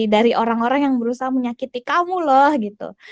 dari orang orang yang berusaha menyakiti kamu loh gitu